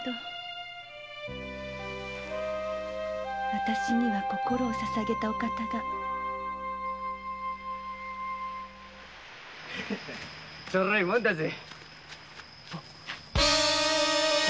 わたしには心を捧げたお方が。へへちょろいもんだぜ。